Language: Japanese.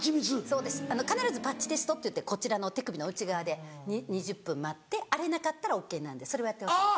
そうです必ずパッチテストっていってこちらの手首の内側で２０分待って荒れなかったらＯＫなんでそれはやってほしいです。